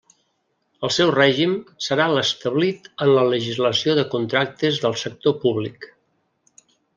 El seu règim serà l'establit en la legislació de contractes del sector públic.